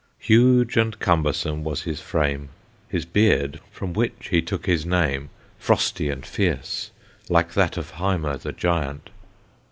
Huge and cumbersome was his frame; His beard, from which he took his name, Frosty and fierce, like that of Hymer the Giant.